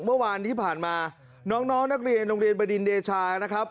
เมื่อวานที่ผ่านมาน้องนักเรียนโรงเรียนบดินเดชานะครับ